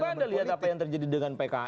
ya coba anda lihat apa yang terjadi dengan pks